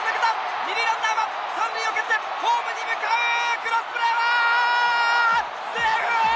２塁ランナーは３塁を蹴ってホームに向かうクロスプレーはセーフ！